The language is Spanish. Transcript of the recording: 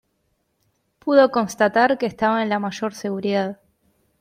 Pudo constatar que estaba en la mayor seguridad.